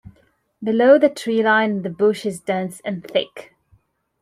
Below the tree line the bush is dense and thick.